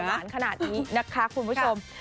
หวานขนาดนี้นะคะคุณผู้ชม